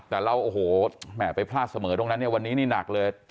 แต่เราโอ้โหแม่ไปพลาดเสมอตรงนั้นเนี่ยวันนี้นี่หนักเลย